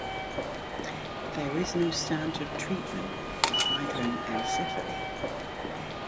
There is no standard treatment for hydranencephaly.